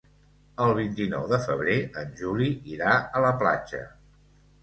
El vint-i-nou de febrer en Juli irà a la platja.